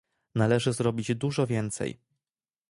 należy zrobić dużo więcej